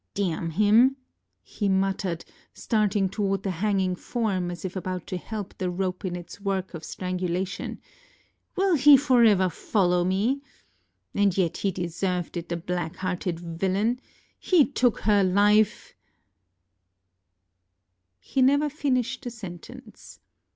ŌĆ£Damn him! ŌĆØ he muttered, starting toward the hanging form, as if about to help the rope in its work of strangulation; ŌĆ£will he forever follow me? And yet he deserved it, the black hearted villain! He took her life ŌĆØ He never finished the sentence.